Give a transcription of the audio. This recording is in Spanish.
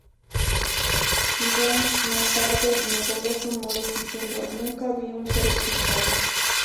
Givens, más tarde, negó los rumores diciendo "Nunca vi un solo centavo.